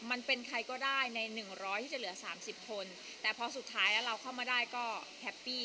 มันเป็นใครก็ได้ในหนึ่งร้อยที่จะเหลือสามสิบคนแต่พอสุดท้ายแล้วเราเข้ามาได้ก็แฮปปี้